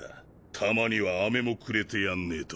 たまにはアメもくれてやんねえと。